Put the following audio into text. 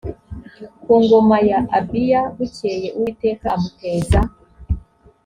ku ngoma ya abiya bukeye uwiteka amuteza